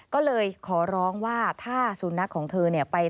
ก็เลยขอร้องว่าถ้าสุนัขของเธอเนี่ย